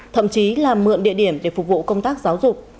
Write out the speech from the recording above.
thậm chí là mượn địa điểm để phục vụ công tác giáo dục